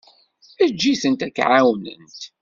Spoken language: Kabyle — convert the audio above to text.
Eǧǧ-itent ak-ɛawnent.